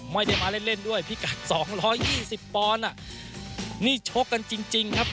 ไม่ได้มาเล่นเล่นด้วยพิกัดสองร้อยยี่สิบปอนด์อ่ะนี่ชกกันจริงจริงครับ